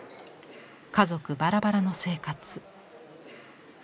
家族バラバラの生活。